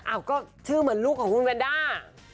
ก็ชื่อเหมือนลูกของคุณแนนด้า